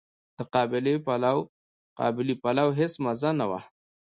د قابلي پلو هيڅ مزه نه وه.